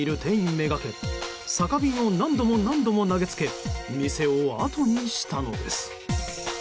目掛け酒瓶を何度も何度も投げつけ店を後にしたのです。